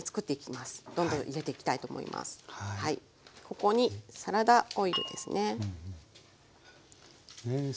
ここにサラダオイルですね。